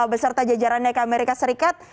beserta jajaran naik ke amerika serikat